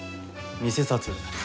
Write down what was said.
偽札。